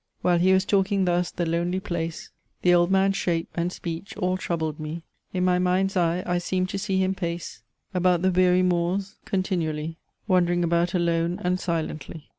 While he was talking thus, the lonely place, The Old Man's shape, and speech, all troubled me In my mind's eye I seemed to see him pace About the weary moors continually, Wandering about alone and silently."